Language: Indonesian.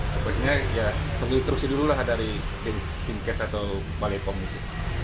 sebetulnya ya perlu instruksi dulu lah dari binkes atau balai pom itu